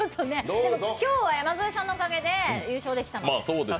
今日は山添さんのおかげで優勝できたんで。